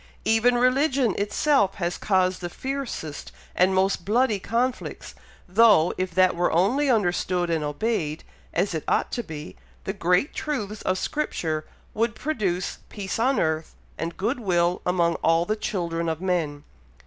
Even religion itself has caused the fiercest and most bloody conflicts, though, if that were only understood and obeyed as it ought to be, the great truths of Scripture would produce peace on earth, and good will among all the children of men."